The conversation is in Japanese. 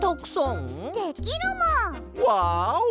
ワオ！